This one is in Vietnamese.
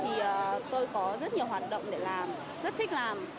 thì tôi có rất nhiều hoạt động để làm rất thích làm